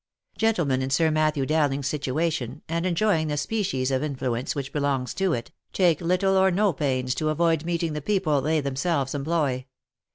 Gentlemen in Sir Matthew Dowling's situation, and enjoying the species of influence which belongs to it, take little or no pains to avoid meeting the people they themselves employ.